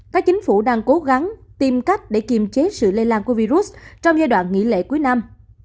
các chính phủ đang cố gắng tìm cách để kiềm chế sự lây lan của virus trong giai đoạn nghỉ lễ cuối năm